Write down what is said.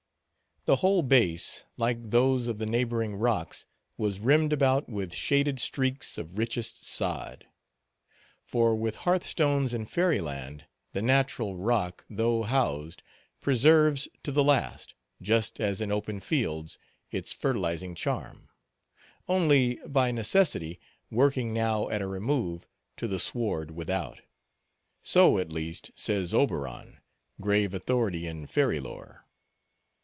The whole base, like those of the neighboring rocks, was rimmed about with shaded streaks of richest sod; for, with hearth stones in fairy land, the natural rock, though housed, preserves to the last, just as in open fields, its fertilizing charm; only, by necessity, working now at a remove, to the sward without. So, at least, says Oberon, grave authority in fairy lore.